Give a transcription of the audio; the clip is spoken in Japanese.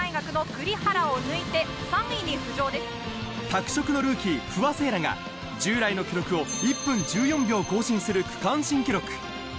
拓殖のルーキー・不破聖衣来が従来の記録を１分１４秒更新する区間新記録。